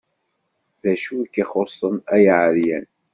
D acu i k-ixuṣṣen, ay aɛeryan?